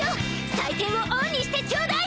採点をオンにしてちょうだい！